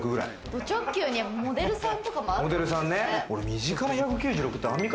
ド直球にモデルさんとかも。